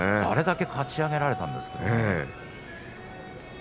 あれだけかち上げられたんですけどね。